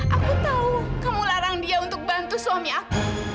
aku tahu kamu larang dia untuk bantu suami aku